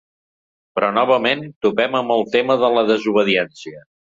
Però, novament, topem amb el tema de la desobediència.